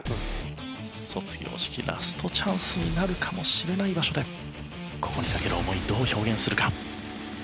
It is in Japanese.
卒業式ラストチャンスになるかもしれない場所でここに懸ける思いどう表現するか？